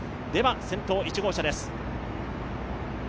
先頭１号車です。